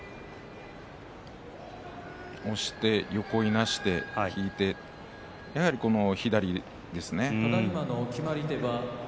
押して横にいなして引いて左ですね。